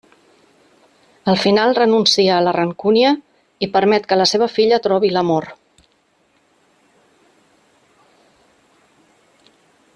Al final renuncia a la rancúnia i permet que la seva filla trobi l'amor.